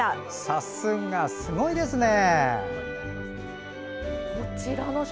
さすがすごいですね！